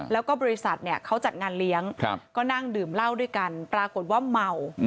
แล้วก็บริษัทเนี่ยเขาจัดงานเลี้ยงก็นั่งดื่มเหล้าด้วยกันปรากฏว่าเมา